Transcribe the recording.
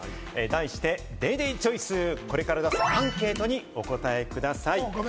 題して「ＤａｙＤａｙ．ＣＨＯＩＣＥ」。これから出すアンケートにお答えください。